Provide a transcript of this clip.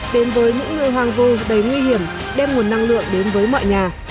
đến với những người hoàng vô đầy nguy hiểm đem nguồn năng lượng đến với mọi nhà